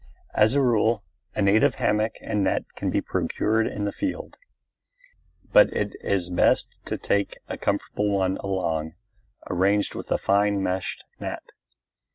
As a rule, a native hammock and net can be procured in the field. But it is best to take a comfortable one along, arranged with a fine meshed net.